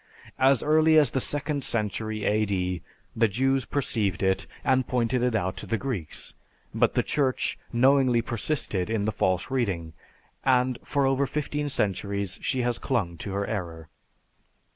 As early as the second century A.D. the Jews perceived it and pointed it out to the Greeks, but the Church knowingly persisted in the false reading, and for over fifteen centuries she has clung to her error."